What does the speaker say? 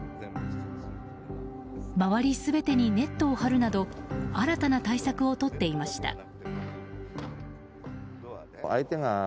周り全てにネットを張るなど新たな対策をとっていました。